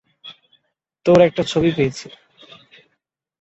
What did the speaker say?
তোর একটা ছবি পেয়েছি।